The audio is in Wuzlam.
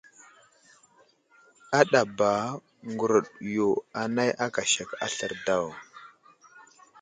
Aɗaba ŋgurəɗ yo anay aka sek aslər daw.